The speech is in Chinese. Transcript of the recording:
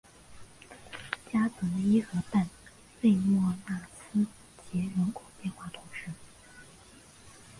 加泽伊河畔勒莫纳斯捷人口变化图示